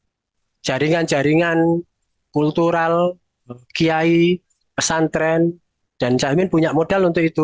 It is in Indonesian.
sehingga kemudian jaringan jaringan kultural kiai pesantren dan caimin punya modal untuk itu